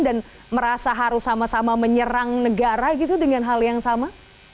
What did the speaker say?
dan merasa harus sama sama menyerang negara dengan hal yang sama